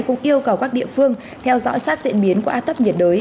cũng yêu cầu các địa phương theo dõi sát diện biến của át tấp nhiệt đới